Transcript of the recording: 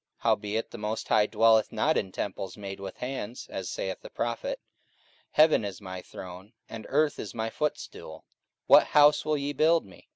44:007:048 Howbeit the most High dwelleth not in temples made with hands; as saith the prophet, 44:007:049 Heaven is my throne, and earth is my footstool: what house will ye build me?